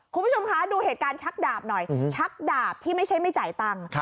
คุณผู้ชมคะดูเหตุการณ์ชักดาบหน่อยชักดาบที่ไม่ใช่ไม่จ่ายตังค์